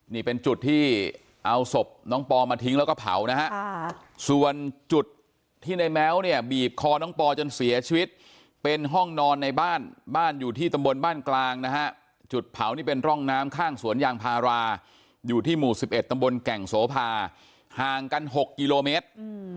นี่เป็นจุดที่เอาศพน้องปอมาทิ้งแล้วก็เผานะฮะส่วนจุดที่ในแม้วเนี่ยบีบคอน้องปอจนเสียชีวิตเป็นห้องนอนในบ้านบ้านอยู่ที่ตำบลบ้านกลางนะฮะจุดเผานี่เป็นร่องน้ำข้างสวนยางพาราอยู่ที่หมู่๑๑ตำบลแก่งโสภาห่างกัน๖กิโลเมตร